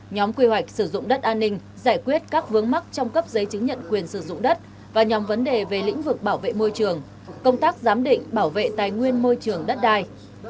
nhóm quy hoạch sử dụng đất an ninh giải quyết các vướng mắc trong cấp giấy chứng nhận quyền sử dụng đất và nhóm vấn đề về lĩnh vực bảo vệ môi trường công tác giám định bảo vệ tài nguyên môi trường đất đai